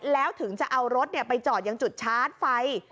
แล้วถึงจะเอารถไปจอดยังจุดชาร์จไฟ